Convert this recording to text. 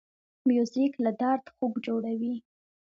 موزیک له درد خوږ جوړوي.